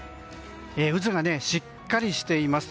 渦がしっかりしています。